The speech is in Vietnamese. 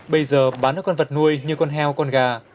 bây giờ bán các con vật nuôi như con heo con gà